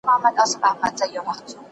لارښود کولای سي له شاګرد سره علمي بحث وکړي.